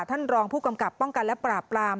ท่านรองผู้กำกับป้องกันและปราบปราม